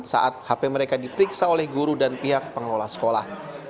saat hp mereka diperiksa oleh guru dan pihak pengelola sekolah